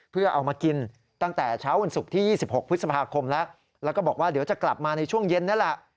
เพื่อเอามากินตั้งแต่เช้าวันศุกร์ที่๒๖พฤษภาคมแล้วแล้วก็บอกว่าเดี๋ยวจะกลับมาในช่วงเย็นนี่แหละ